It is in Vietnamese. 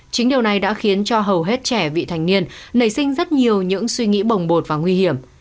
chính điều này đã khiến cho hầu hết trẻ vị thành niên nảy sinh rất nhiều những suy nghĩ bồng bột và nguy hiểm